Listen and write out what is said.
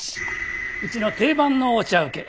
うちの定番のお茶請け。